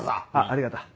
ありがとう。